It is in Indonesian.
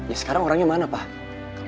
ya sekarang orangnya mana pak